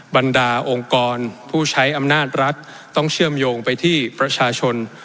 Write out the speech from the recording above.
บรรดาองค์กรผู้ใช้อำนาจรัฐต้องเชื่อมโยงไปที่ประชาชน